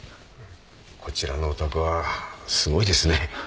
こちらのお宅はすごいですね。